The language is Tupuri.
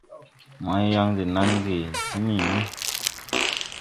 Maiyaŋ de naŋge ti niini.